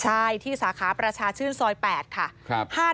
ใช่ที่สาขาประชาชื่นซอย๘ค่ะ